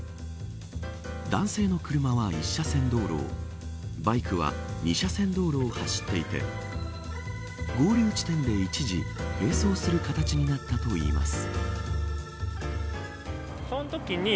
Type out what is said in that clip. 男性の車は１車線道路をバイクは２車線道路を走っていて合流地点で一時併走する形になったといいます。